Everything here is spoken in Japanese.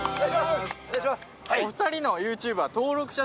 お二人のＹｏｕＴｕｂｅは登録者